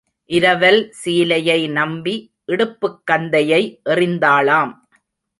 இரவல் சீலையை நம்பி இடுப்புக் கந்தையை எறிந்தாளாம்.